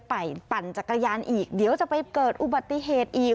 ปั่นจักรยานอีกเดี๋ยวจะไปเกิดอุบัติเหตุอีก